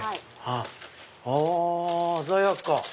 あ鮮やか。